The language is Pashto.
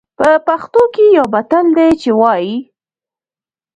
په پښتو کې يو متل دی چې وايي.